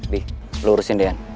di lo urusin deyan